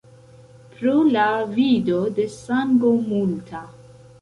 Pro la vido de sango multa.